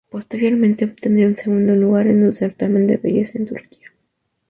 Posteriormente obtendría un segundo lugar en un certamen de belleza en Turquía.